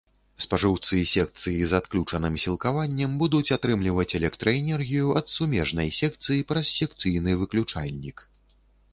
Спажыўцы секцыі з адключаным сілкаваннем будуць атрымліваць электраэнергію ад сумежнай секцыі праз секцыйны выключальнік.